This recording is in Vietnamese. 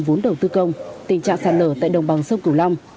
vốn đầu tư công tình trạng sạt lở tại đồng bằng sông cửu long